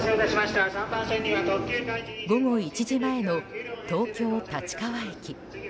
午後１時前の東京・立川駅。